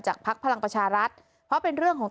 พักพลังประชารัฐเพราะเป็นเรื่องของ